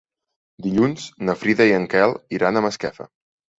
Dilluns na Frida i en Quel iran a Masquefa.